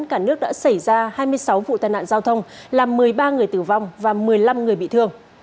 cả nước đã xảy ra hai mươi sáu vụ tai nạn giao thông làm một mươi ba người tử vong và một mươi năm người bị thương